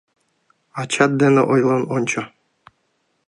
Ачат дене ойлен ончо.